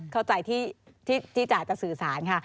เข้าใจที่จะสื่อสารค่ะ